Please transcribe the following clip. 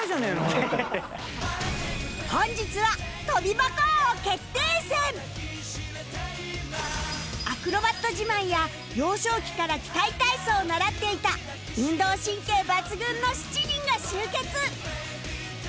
本日はアクロバット自慢や幼少期から器械体操を習っていた運動神経抜群の７人が集結